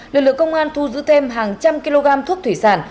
lực lượng công an thu giữ thêm hàng trăm kg thuốc thủy sản